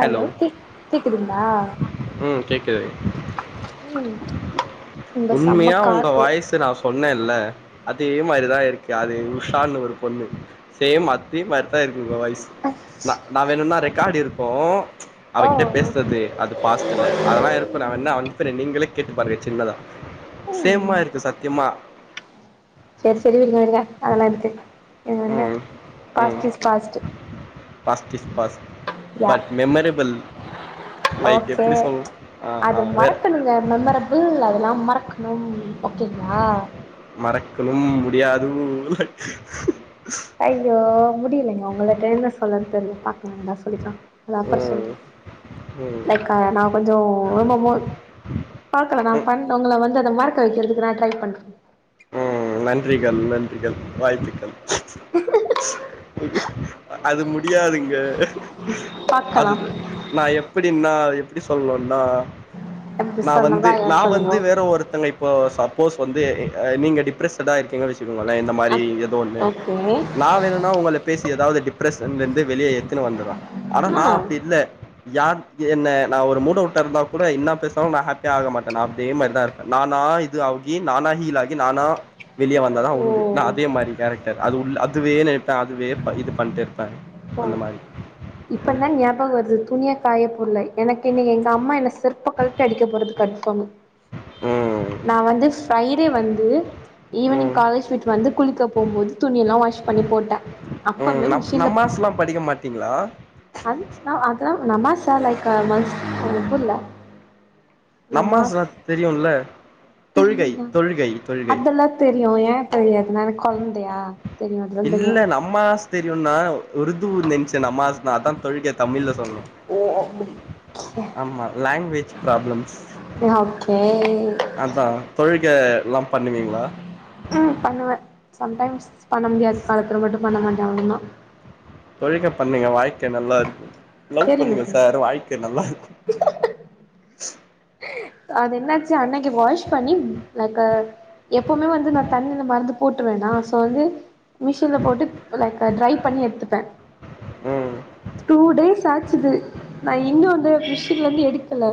hello கேக் கேக்குதுங்களா ம் கேக்குது ம் இங்க செம்ம உண்மையா உங்க காத்து வாய்சு நா சொன்னேல்ல அதே மாரிதா இருக்கு அது உஷான்னு ஒரு பொண்ணு சேம் அ தே மார்தா இருக்கு உங்க வாய்ஸ் நா நா வேணுன்னா ரெக்கார்டு இருக்கூ ஓ அவகிட்ட பேசுறது அது பாச த்துல அதலா இருக்கு நா வேணா அம்த்துறே நீங்ளே கேட்டு பாருங்க சின்னதா சேமா ம் இருக்கு சத்திய்மா சேர் சேரி விடுங்க விடுங்க அதலா எதுக்கு விடுங்க விடுங்க ம் ம் பாஸ்ட் இஸ் பாஸ்ட் பாஸ்ட் ஸ் past yeah but memorable okay ஆ அத வேற மறக்கனுங்க மெமர பில் அதலா மறக்னும் ஓகேங்ளா மறக்னும் முடியாது ஐயோ முடியிலேங்க உங்களுக்கு என்ன சொல்லன் தெர்லப்பா வந்தா சொல்லிக்லா அத அப்றோ ம் சொல்றே ம் லைக் நா கொஞ்சோ ரொம்ப மோ பாக்லா நா ம் பண் ஒங்கள வந்து அத மறக்க வெக்கற்துக்கு நா ட்ரை பண்றே ம் நன்றிகள் நன்றிகள் வாழ்த்துக்கள் அது முடியாதுங்க அது பாக்கலா நா எப்பிடினா எப்டி சொல்னுன்னா அப்டி நா சொன்னதா வந்து ஏ நா சொல்லணு வந்து வேற ஒருத்தனை ப்போ சப்போஸ் வந்து நீங்க டிப்ரெஸ்ட்டடா இருக்கீங்க வ ச்சுங்கோங்களே இந்த மாரி அப் ஒதோ ஒன்னு ஓகே நா வேணுன்னா ஒங்கள பேசி எதாவ்து டிப்ரெஷன்லந்து வெளிய எத்துனு வந்துறா ஆனா ஆ நா அப்டி இல்ல யா என்ன நா ஒரு மூடவுட்டாருந்தா கூட என்ன பேசுனாலு நா ஹாப்பியாக மாட்டே நா அதே மார்தா இரு ப்பே நானா இது ஆவ்கி நானா ஹீல் ஆகி நானா வெளிய வந்தாதா ஓ உண்டு நா அதே மாரி கேரக்டர் அது உள்ள அதுவே நெனப்பே அதுவே ப இது பண்ட்ருப்பே ஓ அந்த மாரி ம் இப்பதா ஞாபகோ வருது துணிய காயபோல்ல எனக்கு இன்னிக் எங்க அம்மா என்ன செருப்ப கழ்ட்டி அடிக்க போறது கன்ஃபார்மு ம் நா வந்து ஃப்ரைடே வந்து ஈவ்னிங் ம் காலேஜ் விட்டு வந்து குளிக்க போம்போது துணிலா வாஷ் பண்ணி போட்ட ம் நம் நம்மாஸ்லா படிக்க மாட்டீங்ளா அன் நா அத நமாஸா லைக்க மஸ் எனக் புர்ல நம்மாஸ்னா நமாஸ் தெரியுல்ல தொழுகை தொழுகை தொழுகை அப்துல்லா தெரியு ஏ தெரியாது நா என்ன கொழ்ந்தயா இல்ல நம்மாஸ் தெரியுனா உருது நென்ச்சே நம்மாஸ்னா அதா தொழ்க தமிழ்ல சொன்னே ஓ ஓகே ஆமா லாங்வேஜ் ப்ராப்ளம்ஸ் யா ஓகே அதா தொழுக லா பண்ணுவீங்ளா ஆ பண்ணுவே சம்டைம்ஸ் பண்ண முடியாத காலத்துல மட்டு பண்ண மாட்டோ அவ்ள தா தொழுக பண்ணுங்க வாழ்க்க நல்லாருக்கு லவ் பண்ணுங்க சார் வாழ்க்க நல்லாருக்கு அது என்னாச்சு அன்னக்கி வாஷ் பண்ணி லைக்க எப்போமே வந்து நா தண்ணில மறந்து போட்ருவேனா ஸோ வந்து மிஷின்ல போட்டு லைக் அத ட்ரை பண்ணி எட்த்துப்பே ம் டூ டேஸ் ஆச்சுது நா இன்னு அந்த மிஷின்லந்து எடுக்கல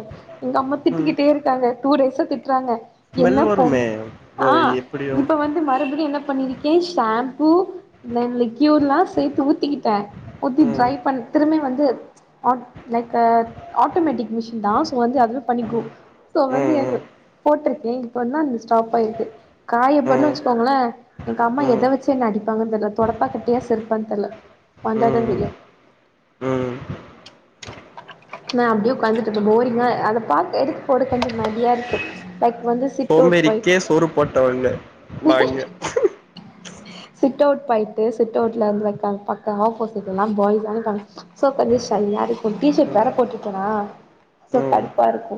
எங்கம்மா ம் திட்டக்கிட்டேரு க்காங்க டூ டேஸா திட்றாங்க ஸ்மெல் என்னப் பொ வருமே ஆ ஒரு எப்டியோ இப்ப வந் து மறுப்டியு என்ன பண்ணிருக்கே ஷாம்பூ தென் லிகுய்ட்லா சேத்து ஊத்திக்கிட்டே ஊத்தி ம் ட்ரை பண் திரும்பி வந்து ஆ லைக்க ஆட்டோமேட்டிக் மிஷின் தா ஸோ வந்து அதுவே பண்ணிக்கு ஸோ வந்து ம் எங்க ம் போட்ருக்கே இப்ப வந்தா அது ஸ்டாப்பாய்ருக்கு காயப்போட்லன் ம் வச்சுக்கோங்ளே எங்க அம்மா ம் எத வச்சு என்ன அடிப்பாங்கன் தெர்ல தொடப்ப கட்டயா செருப்பான் தெர்ல வந்தாதா ம் தெரியு ம் நா அப்டியே உக்காந்துட்ருப்பே போரிங்கா அத பாத் எடுத்து போட்டுக்கன் சொல் மதியா இருக்கு லைக் வந்து சிட் அவுட் போய் சோம்பேறிக்கே சோறு போட்டவங்க நாங்க சிட் அவுட் பாய்ட்டு சிட் அவுட்ல இருந்து ஒக்காந் பாக்க ஆப்போசீட்லல்லா பாய்ஸ் ஆனா தங்கச் சோ கொஞ்சோ ஷய்யா இருக்கு டிஷர்ட் வேற ம் போட்றுகேனா சோ ம் கடுப்பா இருக்கு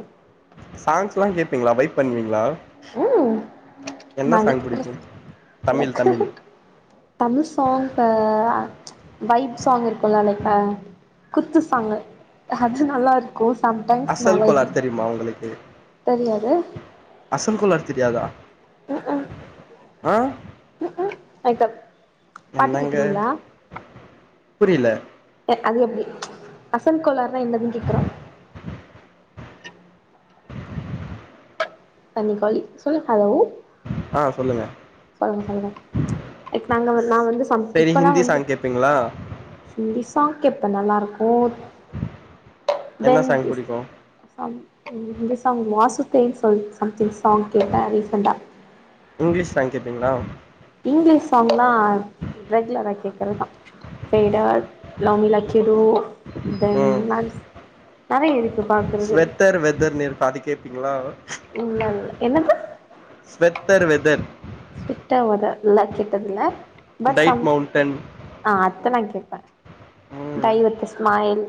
சாங்ஸ்லா கேபீங்களா வைப் பண்ணுவீங்களா ம் என்ன நாங்க சாங் புடிக்கு தமிழ் லைக்கு தமிழ் தமிழ் சாங் ப வைப் சாங் இருக்குல்ல லைக்கு குத்துசாங்கு அது நல்லாருக்கு சம்டைம்ஸ் அசல் மெலடி கோலார் தெரியுமா தெரியாது அசன் குளார் தெரியாதா ம் அ ஐ டக் என்னங்க புரில ஏ அது எப்டி அசன் கோலார்னா என்னதுன் கேக்குறே அண்ணி காலி சொல்லு ஹலோ ஆ சொல்லுங்க சொல்லுங்க சொல்லுங்க இக் நாங்க வந்து நா வந்து சம் சரி இப்பல்லா ஹிந்தி வந்து சாங் கேப்பீங்களா ஹிந்தி சாங் கேப்பே நல்லாருக்கு என்ன தென் சாங் புடிக்கு சாங் இந்த சாங் வாசுத்தேன் சொல்ட் சம்திங் சாங் கேப்பே ரீசண்ட்டா இங்லீஷ் சாங் கேபீங்களா இங்லீஷ் சாங்லா ரெகுலரா கேக்கறதா ஃபெய்ட் ஆட் லாங் லச்சுடு தென் ம் நான்ஸ் நெறைய இருக்கு பா ஸ்வெத்தர் வெதர்னு இருக்கு அது கேப்பீங்களா இல்லல்ல என்னது ஸ்வெத்தர் வெதர் ஸ்வெட்டா வெத இல்ல கேட்டது இல்ல பட் டைட் சம் மவுண்டன் ஆ அத்த நா கேப்பே ம் டை வித் ஸ்மைல்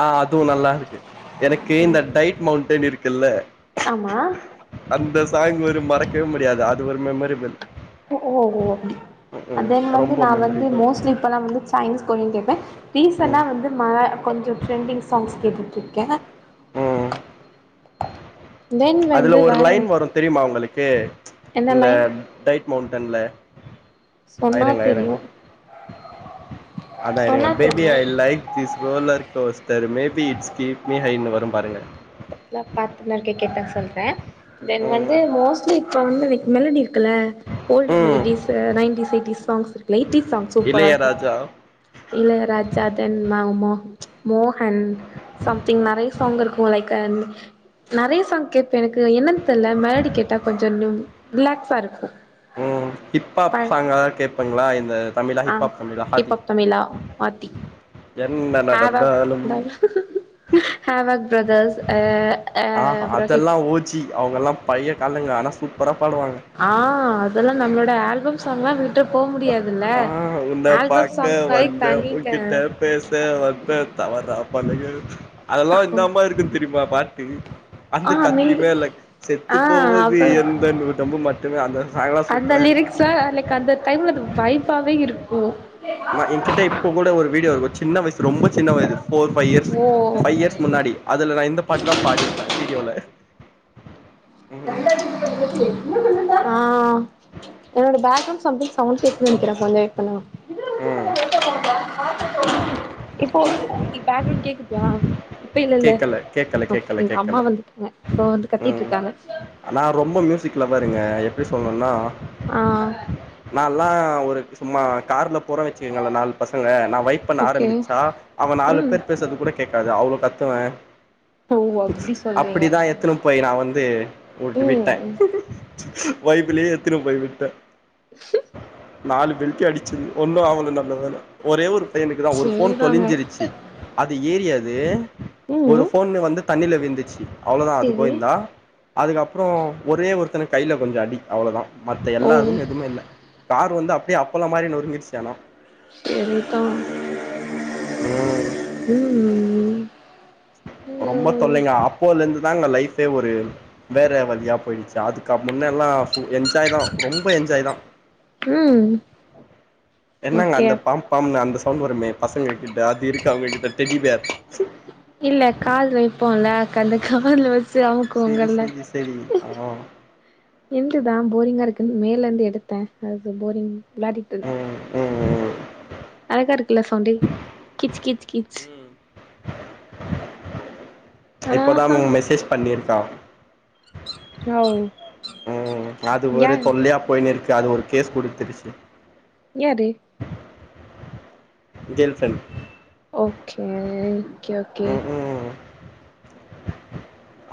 ஆ அதுவு நல்லாருக்கு எனக்கு இந்த டைட் மௌன்டென் இருக்குல்ல ஆமா அந்த சாங் ஒரு மறக்கவே முடியாது அது ஒரு மெமரிபிள் ஓ ஓஹோ அப்டி தென் வந்து ரொம்ப நா வந்து மெமரிபிள் மோஸ்ட்லி இப்பல்லா வந்து சைனீஸ் கொரியன் கேப்பே ம் ரீசண்ட்டா வந்து மழ கொஞ்சோ ட்ரெண்டிங் சாங்ஸ் கேட்டுட்ருக்கே ம் தென் அதுல வந்து ஒரு வேற லைன் வரு தெரியுமா உங்களுக்கு என்ன இந்த லைன் டைட் மவ்ண்டன்ல சொன்னா தெரியு அதா இருங்க சொன்னா பேபி தெரியு I like this roller coaster maybe it's keep me ஹைன்னு வரும் பாருங்க தெர்ல பாத்து நா கே கேட்டா சொல்றே தென் வந்து ம் மோஸ்ட்லி சொம் மெலக் மெலடி இருக்குல ஓல்டு ம் மெலடீஸ்ஸு நைன்டீஸ் எயிட்டிஸ் சாங்ஸ் இருக் லைட்டீஸ் சாங் சூப்பரா இருக்கு இளையராஜா இளையராஜா தென் ம மகு மோ மோஹன் சம்திங் நெறைய சாங் இருக்கு லைக் அண் நெறைய சாங் கேட்பே எனக்கு என்னன் தெர்ல மெலடி கேட்டா கொஞ்சோ இன்னும் ரிலாக்ஸா இருக்கு ம் ப ஹிப்பாப் சாங் எதா கேப்பங்ளா இந்த தமிழா ஆ ஹிப்பாப் தமிழா ஆதி ஹிப்ஹாப் தமிழா ஆத்தி என்ன ஹேவாக் நடந்தாலும் ஹேவாக் பிரதர்ஸ் அ அ ஆ ஹ அப்றோ ஹிப் அதெல்லா ஓஜி அவுங்கல்லா பழைய காலங்க ஆனா சூப்பரா பாடுவாங்க ஆ அதல்லா நம்ளோட ஆல்பம் சாங்கெல்லா விட்டு போ முடியாதுல்ல நா உன்ன ஆல்பம் பாக்க சாங்ஸ்னாலே வந்தே தனி க உங்கிட்ட பேச வந்தே தவறா பண்ணுங்க அதல்லா இன்னாமா இருக்குன் தெரிமா பாட்டு ஆ அந்த நீ கத்திமேல செத்து ஆ போவது அப்ப எந்தன் உடம்பு மட்டுமே அந்த சாங்லா சூப்பரா இருக் சார் லைக் அந்த டைம்ல அது வைபாவே இருக்கு மா எங்கிட்ட இப்போ கூட ஒரு வீடியோ இருக்கு சின்ன வய்சு ரொம்ப சின்ன வயது ஃபோர் ஃபைவ் இயர்ஸ் ஓ ஃபைவ் இயர்ஸ் முன்னாடி அதுல நா இந்த பாட்டுதா பாடிருப்பே வீடியோல ம் ஆ என்னோட பேக்ரவுண்ட் சம்திங்க்ஸ் சவுண்ட் கேக்குதுன் நெனக்கிறே கொஞ்சோ வெயிட் பண்ணுங்க [inaudible] ம் இப்போ ஓ பேக்ரவுண்ட் கேக்குதா இப்ப இல்லல்ல கேக்கல கேக்கல ஓகே கேக்கல எங்க அம்மா கேக்கல வந்துட்டாங்க இப்ப வந்து கத்திட்ருக்காங்க ஆனா ரொம்ப மியூசிக்ல பாருங்க எப்டி சொல்ணுனா ஆ நால்லா ஒரு பிஸ் சும்மா கார்ல போற வச்சுக்கங்ளே நாலு பசங்க நா வைட் பண்ண ஓகே ஆரம்பிச்சா அவ நாலு ம் பேர் பேசர்து கூட கேக்காது அவ்ளோ கத்துவே ஓ அப்டி சொல்றீங்க அப்டிதா எத்துனு போய் நா வந்து வு விட்டே ம் வைபுலே எத்துனு போய் விட்டே நாலு பெல்ட்டி அடிச்சுது ஒன்னு ஆவுல நல்ல வேல ஒரே ஒரு பையனுக்குதா ஒரு ஃபோன் சேரிதாங்க தொலஞ்சிருச்சு அது ஏரி அது ஒரு ம் ஃபோனு வந்து தண்ணில வீழ்ந்துச்சி அவ்ளோதா அது சேரி கோயிந்தா அதுக்கப்றோ ஒரே ஒருத்தனுக் கைல கொஞ்சோ அடி அவ்ளோதா மத்த ஓ எல்லாருக்கு எதுமே இல்ல காரு வந்து அப்டியே அப்பலோ மாரி நொறுங்கிருச்சி ஆனா செரிப்பா ம் ம் ரொம்ப ஐயோ தொல்லைங்க அப்போலேந்து தாங்க லைஃபே ஒரு வேற வழியா போயிடுச்சி அதுக்க முன்னேல்லா என்ஜாய்தா ரொம்ப என்ஜாய்தா ம் என்னங்க ஓகே அந்த பாம் பாம்னு அந்த சவுண்ட் வருமே பசங்க கிட்ட அது இருக்கா ஒங்ககிட்ட டெடிபேர் இல்ல கால் வைப்போல்ல க அந்த காதுல வச் செரி செரி செரி ஆ என்து தா போரிங்கா இருக்குன் மேலலேருந்து எடுத்தே அது போரிங் விளாடிட்ருந் ம் ம் ம் அழகா இருக்குல சவுண்டு கீச் கீச் கீச் ம் ஆனா இப்பதா சம் மேம் மெசேஜ் பண்ணிருக்கா ஓவ் ம் அது ஒரு தொல்லையா போயினுருக்கு அது ஒரு கேஸ் குடுத்துருச்சி யாரு girl friend okay okay okay ம் ம்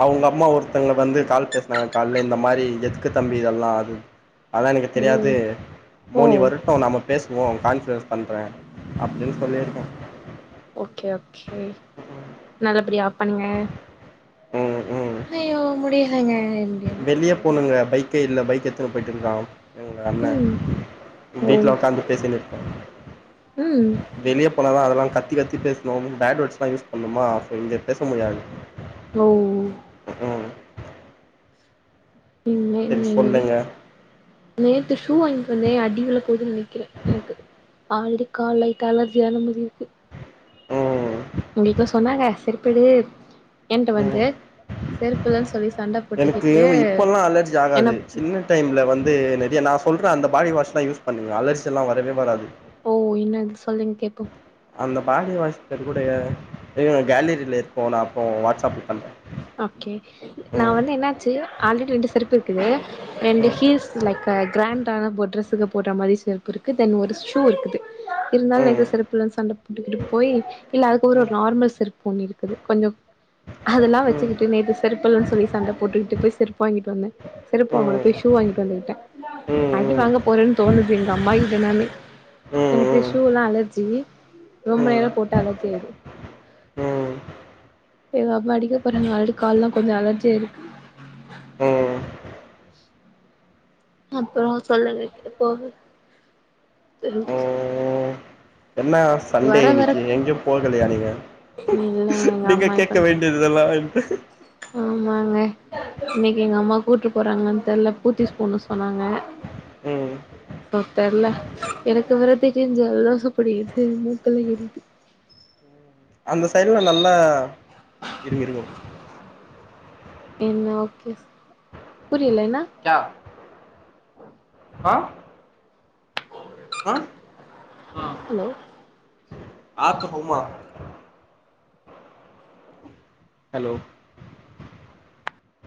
அவுங்க அம்மா ஒருத்தவங்க வந்து கால் பேஸ்னாங்க கால்ல இந்த மாரி எதுக்கு தம்பி இதெல்லா அது அதா எனக்கு தெரியாது ம் ஓ மோனி வருட்டு நம்ம பேஸ் பவோ கான்ஃபிரன்ஸ் பண்றே அப்டின்னு சொல்லிருக்கே ஓகே ஓகே நல்லபடியா பண்ணுங்க ம் ஹய்யோ முடிலைங்க வெளியே போணுங்க பைக்கே இல்ல பைக் எத்துன்னு போயிட்டு இருக்கா எங்க அண்ணே ம் ஓ வீட்ல உக்காந்து பேசினு இருக்கே ம் வெளிய போனாதா அதெல்லா கத்தி கத்தி பேசணு பேட் வேர்ட்ஸ்ல்லா யூஸ் பண்ணுமா இங்க பேச முடியாது ஓஹ் ம் நீ சரி எங்க வீ சொல்லுங்க நேத்து ஷூ வாங்கிட்டு வந்தே அடி விள போகுன்னு நினைக்கிறே எனக்கு அவளுக்கு கால்ல லைட்டா அலர்ஜியான மாரி இருக்கு ம் எங்க வீட்டுல சொன்னாங்க செருப்பிடு என்ட வந்து ம் செருப்புலன்னு சொல்லி சண்ட எனக்கு போட்டுக்கிட்டு இப்பல்லா அலர்ஜி ஆகாது என்ன சின்ன டைம்ல வந்து நிறைய நா சொல்றே அந்த பாடி வாஷ்லா யூஸ் பண்ணுவே அலர்சில்லா வரவே வராது ஓ என்னனு சொல்லுங்க கேப்போ அந்த பாடி வாஷ் பேர் கூட கேலரியில இருக்கு நா அப்புறோ வாட்ஸ்அப் பண்றே ஓகே நா வந்து என்னாச்சு ஆல்ரெடி ரெண்டு செரு இருக்குது ரெண்டு ம் ஹீல்ஸ் லைக் கிராண்டான போட் டிரெஸுக்கு போற மாரி செருப்பு இருக்கு தென் ஒரு ஷூ இருக்குது இருந்தாலு நேத்தே ம் செருப்பில்லன்னு சண்ட போட்டுக்கிட்டு போய் இல்ல அதுக்கப்புறோ ஒரு நார்மல் செருப்பொன்னு இருக்குது கொஞ்சோ அதெல்லா ம் ம் வச்சுக்கிட்டு நேத்தே செருப்பில்லன்னு சொல்லி சண்ட போட்டுக்கிட்டு போய் செருப்பு வாங்கிட்டு வந்தே செருப்பு வாங்கள ம் போய் ஷூ வாங்கிட்டு வந்துகிட்டே ம் ம் அடி ம் வாங்க போறேன்னு தோணுது எங்க அம்மா கிட்ட நானு எனக்கு ம் ஷூல்லா அலர்ஜி ரொம்ப ம் நேரோ போட்டு அலர்ஜி ஆயிடு அம்மா அடிக்க போறாங்க ஆ கால்லா கொஞ்சோ அலர்ஜியாயிருக்கு ம் ம் அப்புறோ சொல்லுங்க [unintelligible] என்ன சண்டே வர வர இன்னைக்கு எங்கயு போகலையா நீங்க இல்லங்க எங்க நீங்க அம்மா கேட்க இப்ப வேண்டியது இதெல்லா என்ட ஆமாங்க இன்னைக்கு எங்க அம்மா கூட்டி போறாங்களான்னு தெர்ல போத்தீஸ் போன்னு சொன்னாங்க ம் அ தெர்ல எனக்கு வேற திடிர்னு ஜலதோசொ புடிக்குது மூக்குல்லா எரியுது அந்த சைடுல நல்லா இருங்கிருங்க ஒரு நிமிஷோ புரியல என்னா க்யா கா ஹலோ ஆத்துபோமா ஹலோ